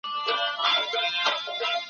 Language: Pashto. ټکنالوژي ټولنیزې اړيکې فعالوي.